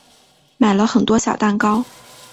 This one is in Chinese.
买了很多小蛋糕